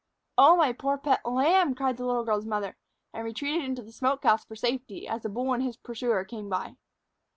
"Oh, my poor pet lamb!" cried the little girl's mother, and retreated into the smoke house for safety as the bull and his pursuer came by.